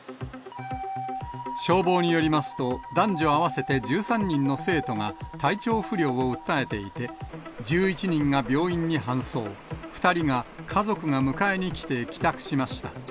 消防によりますと、男女合わせて１３人の生徒が体調不良を訴えていて、１１人が病院に搬送、２人が家族が迎えに来て帰宅しました。